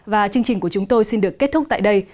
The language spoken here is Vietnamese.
và chương trình của chúng tôi xin được kết thúc tại đây